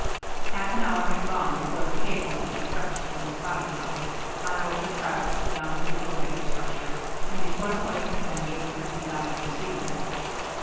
Half an hour had gone before the cable could be stretched from the spouting house, high over the tracks, down to the elevator structure, and before the hoisting engine could be got under steam.